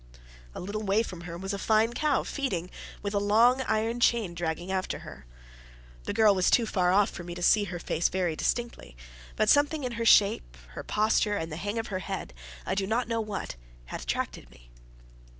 A little way from her was a fine cow feeding, with a long iron chain dragging after her. The girl was too far off for me to see her face very distinctly; but something in her shape, her posture, and the hang of her head, I do not know what, had attracted me.